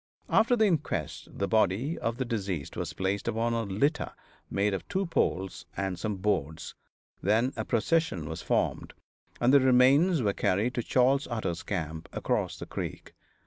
After the inquest the body of the deceased was placed upon a litter made of two poles and some boards; then a procession was formed, and the remains were carried to Charley Utter's camp, across the creek.